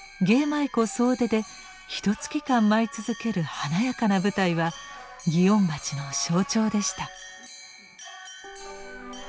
舞妓総出でひとつき間舞い続ける華やかな舞台は祇園町の象徴でした。